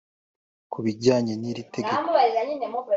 Ku bijyanye n’iri tegeko